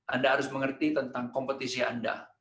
anda harus mengerti tentang kompetisi anda